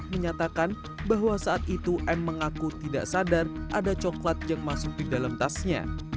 menyatakan bahwa saat itu m mengaku tidak sadar ada coklat yang masuk di dalam tasnya